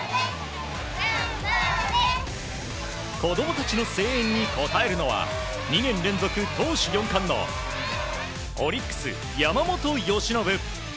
子供たちの声援に応えるのは２年連続投手４冠のオリックス山本由伸。